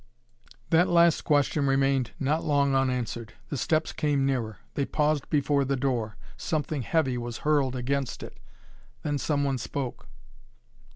That last question remained not long unanswered. The steps came nearer. They paused before the door. Something heavy was hurled against it. Then some one spoke.